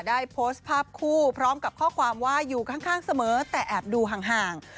ได้โพสต์ภาพคู่พร้อมกับข้อความว่าอยู่ข้างเสมอแต่แอบดูห่าง